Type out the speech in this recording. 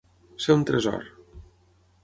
Ser un tresor.